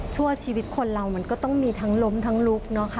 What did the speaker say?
ทั่วชีวิตคนเรามันก็ต้องมีทั้งล้มทั้งลุกเนอะค่ะ